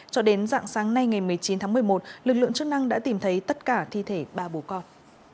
cho đến dạng sáng nay ngày một mươi chín tháng một mươi một lực lượng chức năng đã tìm thấy tất cả thi thể ba bố con